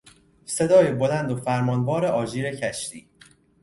صدای بلند و فرمانوار آژیر کشتی